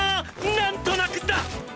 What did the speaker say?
なんとなくだ！！